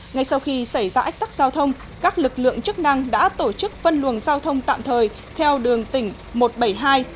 ngay sau khi xảy ra ách tắc giao thông các lực lượng chức năng đã tổ chức phân luồng giao thông tạm thời theo đường tỉnh một trăm bảy mươi hai